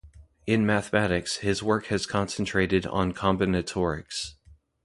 In mathematics, his work has concentrated on combinatorics.